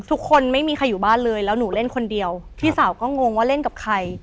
ไม่มีใครอยู่บ้านเลยแล้วหนูเล่นคนเดียวพี่สาวก็งงว่าเล่นกับใคร